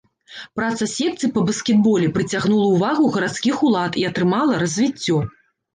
Праца секцый па баскетболе прыцягнула ўвагу гарадскіх улад і атрымала развіццё.